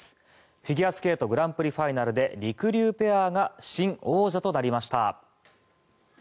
フィギュアスケートグランプリファイナルでりくりゅうペアが新王者となりました。